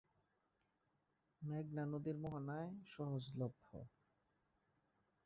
মেঘনা নদীর মোহনায় সহজলভ্য।